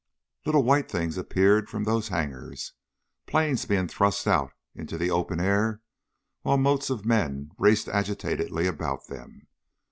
Little white things appeared from those hangars planes being thrust out into the open air while motes of men raced agitatedly about them.